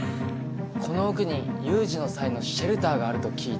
この奥に有事の際のシェルターがあると聞いて。